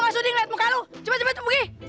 suding liat muka lu cepet cepet pergi